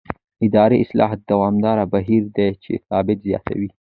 اداري اصلاح دوامداره بهیر دی چې ثبات زیاتوي